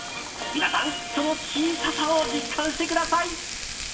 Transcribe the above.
皆さんその小ささを実感してください。